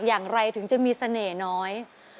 อย่างไรถึงจะมีเสน่ห์น้อย